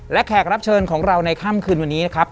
และแขกรับเชิญของเราในค่ำคืนวันนี้นะครับ